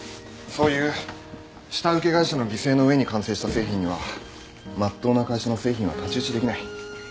そういう下請け会社の犠牲の上に完成した製品にはまっとうな会社の製品は太刀打ちできない。